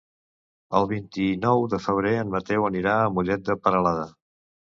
El vint-i-nou de febrer en Mateu anirà a Mollet de Peralada.